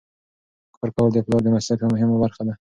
کار کول د پلار د مسؤلیت یوه مهمه برخه ده.